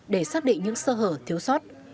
để xác định những sơ hở thiếu sót